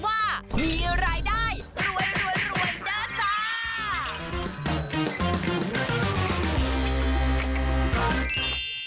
ว่ามีรายได้รวยรวยรวยเดอะซ่า